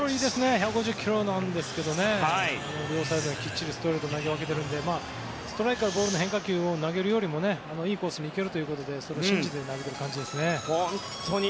１５０キロあるんですけど両サイドにきっちりストレート投げ分けているのでストライクからボールの変化球を投げるよりもいいコースにいけるということでそれを信じて投げている感じですね。